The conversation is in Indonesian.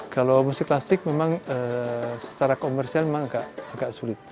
kalau musik klasik memang secara komersial memang agak sulit